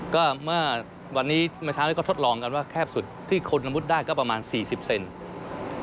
ก็เมื่อวันนี้เมื่อเช้าที่เขาทดลองกันว่าแคบสุดที่คนจะมุดได้ก็ประมาณ๔๐เซนติเซนติเซนติ